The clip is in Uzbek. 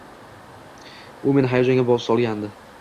U meni hayajonga solgandi.